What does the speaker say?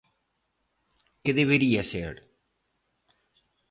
¿Que debería ser?